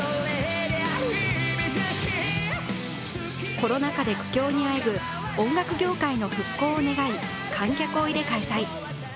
コロナ禍で苦境にあえぐ音楽業界の復興を願い、観客を入れ開催。